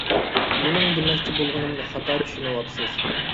مېنىڭ دېمەكچى بولغىنىمنى خاتا چۈشىنىۋاپسىز!